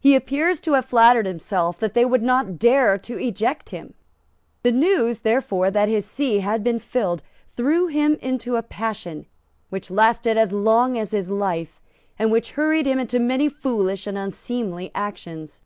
He appears to have flattered himself that they would not dare to eject him. The news, therefore, that his see had been filled threw him into a passion which lasted as long as his life, and which hurried him into many foolish and unseemly actions.